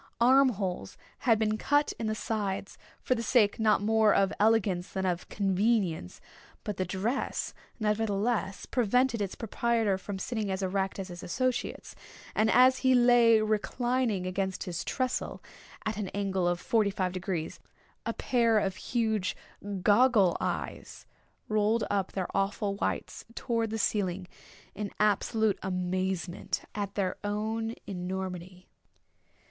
Arm holes had been cut in the sides, for the sake not more of elegance than of convenience; but the dress, nevertheless, prevented its proprietor from sitting as erect as his associates; and as he lay reclining against his tressel, at an angle of forty five degrees, a pair of huge goggle eyes rolled up their awful whites towards the ceiling in absolute amazement at their own enormity.